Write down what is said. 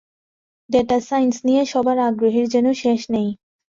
Data science নিয়ে সবার আগ্রহের যেন শেষ নেই।